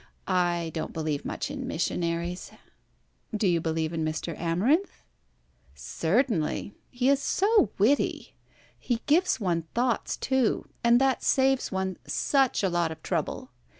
I don't believe much in missionaries." "Do you believe in Mr. Amarinth?" "Certainly. He is so witty. He gives one thoughts too, and that saves one such a lot of trouble.